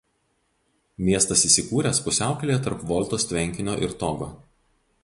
Miestas įsikūręs pusiaukelėje tarp Voltos tvenkinio ir Togo.